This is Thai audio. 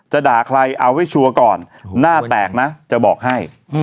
ด่าใครเอาไว้ชัวร์ก่อนหน้าแตกนะจะบอกให้